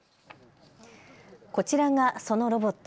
こちらがそのロボット。